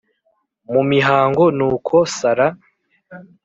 Mu mihango nuko sara